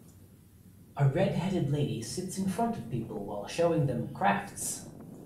A redheaded lady sits in front of people while showing them crafts.